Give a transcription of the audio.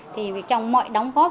thì trong mọi đóng góp